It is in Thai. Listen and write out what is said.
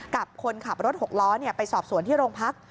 กับคนขับรถหกล้อไปสอบสวนที่โรงพัก